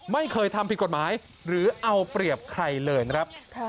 ไม่เคยทำผิดกฎหมายหรือเอาเปรียบใครเลยนะครับ